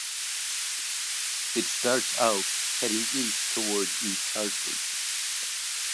It starts out heading east toward East Hartford.